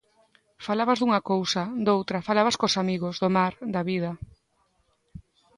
Falabas dunha cousa, doutra, falabas cos amigos, do mar, da vida.